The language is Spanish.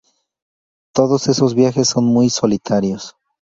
Todos esos viajes son muy solitarios.